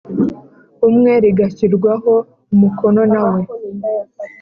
Umwe rigashyirwaho umukono na we